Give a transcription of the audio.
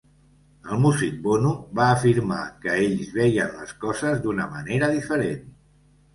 El músic Bono va afirmar que ells veien les coses d'una manera diferent.